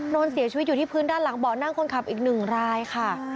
นอนเสียชีวิตอยู่ที่พื้นด้านหลังเบาะนั่งคนขับอีก๑รายค่ะ